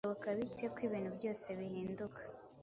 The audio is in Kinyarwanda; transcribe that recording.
Bishoboka bite ko ibintu byose bihinduka,